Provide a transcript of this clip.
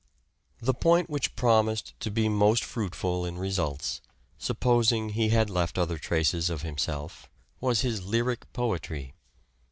The point which promised to be most fruitful in results, supposing he had left other traces of himself, was his lyric poetry.